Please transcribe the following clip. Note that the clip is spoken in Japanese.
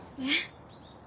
えっ？